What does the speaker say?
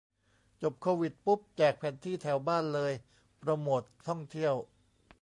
จบโควิดปุ๊บแจกแผนที่แถวบ้านเลย โปรโมตท่องเที่ยว